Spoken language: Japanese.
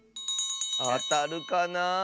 あたるかな。